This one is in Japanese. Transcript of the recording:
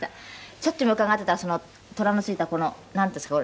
ちょっと、今、伺ってたら虎の付いた、このなんていうんですか？